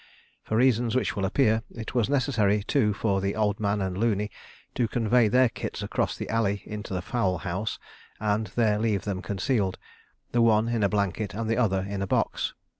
For reasons which will appear, it was necessary too for the Old Man and Looney to convey their kits across the alley into the fowl house and there leave them concealed, the one in a blanket and the other in a box.